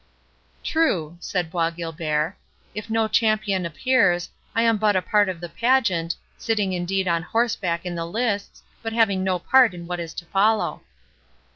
"True," said Bois Guilbert; "if no champion appears, I am but a part of the pageant, sitting indeed on horseback in the lists, but having no part in what is to follow."